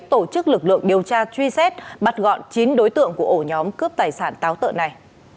tổ chức lực lượng điều tra truy xét bắt gọn chín đối tượng của ổ nhóm cướp tài sản táo tợn này